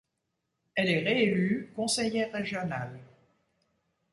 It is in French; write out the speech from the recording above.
Elle est réélue conseillère régionale.